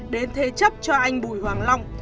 đến thê chấp cho anh bùi hoàng long